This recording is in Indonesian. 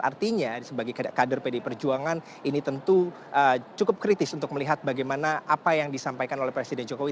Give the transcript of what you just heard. artinya sebagai kader pdi perjuangan ini tentu cukup kritis untuk melihat bagaimana apa yang disampaikan oleh presiden jokowi